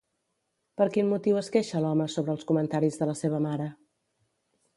Per quin motiu es queixa l'home sobre els comentaris de la seva mare?